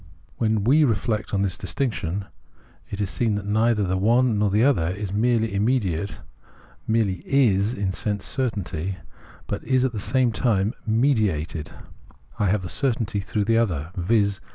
When we reflect on this distinction, it is seen that neither the one nor the other is merely immediate, merely is in sense certainty, but is at the same time mediated : I have the certainty through the other, viz.